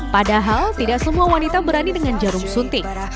padahal tidak semua wanita berani dengan jarum suntik